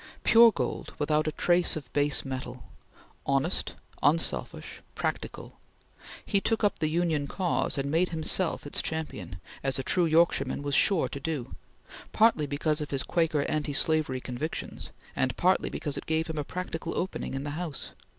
Pure gold, without a trace of base metal; honest, unselfish, practical; he took up the Union cause and made himself its champion, as a true Yorkshireman was sure to do, partly because of his Quaker anti slavery convictions, and partly because it gave him a practical opening in the House.